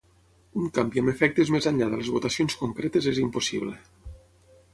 Un canvi amb efectes més enllà de les votacions concretes és impossible.